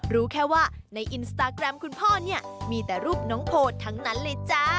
รู้แค่ว่าในอินสตาแกรมคุณพ่อเนี่ยมีแต่รูปน้องโพทั้งนั้นเลยจ้า